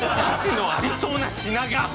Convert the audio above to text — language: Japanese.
価値のありそうな品が！